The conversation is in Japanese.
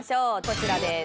こちらです。